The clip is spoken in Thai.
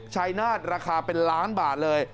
ชายนาฏราคาเป็นล้านบาทเลย